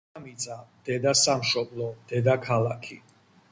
დედამიწა, დედასამშობლო, დედაქალაქი...